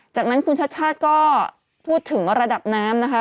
จากนั้นคุณชาติชาติก็พูดถึงระดับน้ำนะคะ